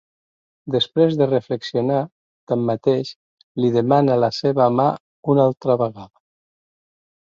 Després de reflexionar, tanmateix, li demana la seva mà una altra vegada.